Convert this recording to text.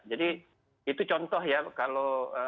jadi itu contoh ya kalau